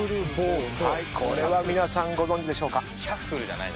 これは皆さんご存じでしょうか？